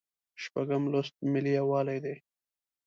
شپږم لوست ملي یووالی دی.